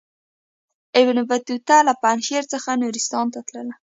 ابن بطوطه له پنجشیر څخه نورستان ته تللی.